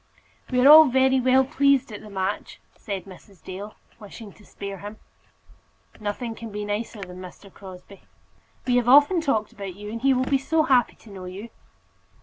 "We are all very well pleased at the match," said Mrs. Dale, wishing to spare him. "Nothing can be nicer than Mr. Crosbie," said Bell. "We have often talked about you, and he will be so happy to know you."